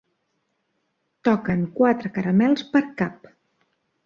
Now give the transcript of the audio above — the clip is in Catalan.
Toquen quatre caramels per cap.